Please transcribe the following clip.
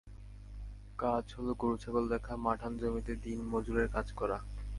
কাজ হলো গরু ছাগল দেখা, মাঠান জমিতে দিন মজুরের কাজ করা।